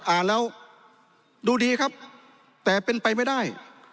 อ่านแล้วดูดีครับแต่เป็นไปไม่ได้